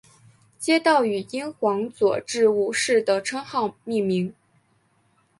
街道以英皇佐治五世的称号命名。